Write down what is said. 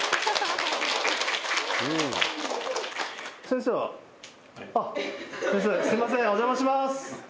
先生すいませんお邪魔します。